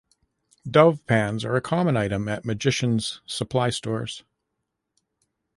Dove pans are a common item at magicians' supply stores.